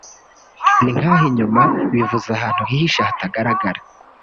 ni nkaho inyuma bivuze ahantu hihishe hatagaragara